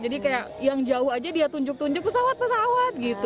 jadi kayak yang jauh aja dia tunjuk tunjuk pesawat pesawat gitu